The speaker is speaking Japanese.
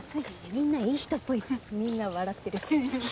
みんないい人っぽいしみんな笑ってるし。